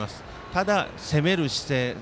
ただ、攻める姿勢